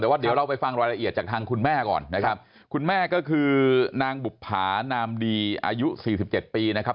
แต่ว่าเดี๋ยวเราไปฟังรายละเอียดจากทางคุณแม่ก่อนนะครับคุณแม่ก็คือนางบุภานามดีอายุสี่สิบเจ็ดปีนะครับ